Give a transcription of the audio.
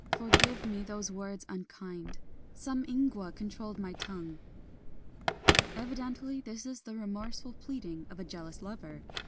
Forgive me those words unkind : some ingwa controlled my tongue ! Evidently this is the remorseful pleading of a jealous lover.